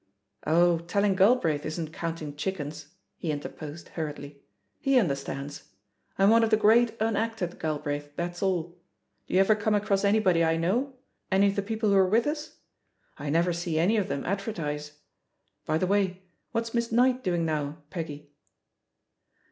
"Oh, telling Galbraith isn't counting chickens," he interposed hurriedly; "he understands. I'm one of the Great Unacted, Galbraith, that's all. Do you ever come across anybody I know, any of the people who were with us? I never see any of them advertise. By the way, what's Miss Ejiight doing now, Peggy?"